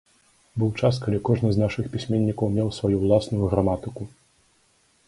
Быў час, калі кожны з нашых пісьменнікаў меў сваю ўласную граматыку.